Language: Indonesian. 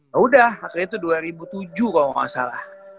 ya udah akhirnya itu dua ribu tujuh kalo gak salah